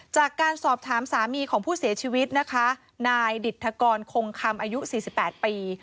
จากการสอบถามสามีของผู้เสียชีวิตนะคะนายดิตธกรคงคำอายุ๔๘ปี